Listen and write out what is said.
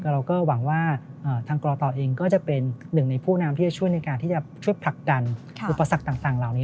เราก็หวังว่าทางกรตเองก็จะเป็นหนึ่งในผู้นำที่จะช่วยในการที่จะช่วยผลักดันอุปสรรคต่างเหล่านี้